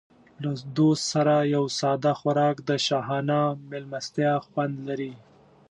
له دوست سره یو ساده خوراک د شاهانه مېلمستیا خوند لري.